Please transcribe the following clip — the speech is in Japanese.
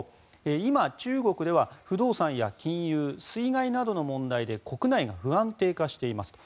今、中国では不動産や金融、水害などの問題で国内が不安定化していますと。